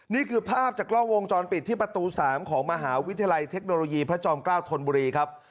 นี่คือภาพจากกล้องวงจรปิดที่ประตู๓ของมหาวิทยาลัยเทคโนโลยีพระจอมเกล้าธนบุรีครับ